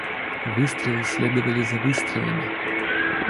Выстрелы следовали за выстрелами.